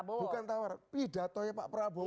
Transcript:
bukan tawaran pidatonya pak prabowo itu